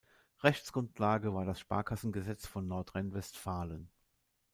Rechtsgrundlage war das Sparkassengesetz von Nordrhein-Westfalen.